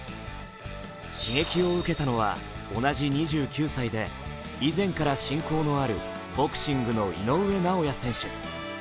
刺激を受けたのは同じ２９歳で以前から親交のあるボクシングの井上尚弥選手。